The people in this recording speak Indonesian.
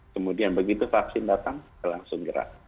kemudian begitu vaksin datang langsung gerak